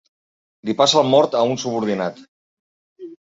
Li passa el mort a un subordinat.